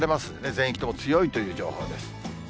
全域とも強いという情報です。